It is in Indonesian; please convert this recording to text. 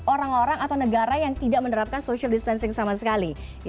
orang orang atau negara yang tidak menerapkan social distancing sama sekali